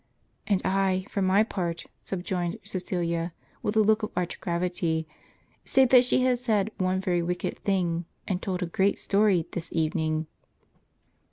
"And I, for my part," subjoined Cuecilia, with a look of arch gravity, " say that she has said one very wicked thing, and told a great story, this evening."